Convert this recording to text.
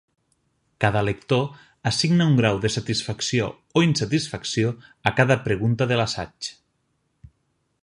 Cada lector assigna un grau de Satisfacció o Insatisfacció a cada pregunta de l"assaig.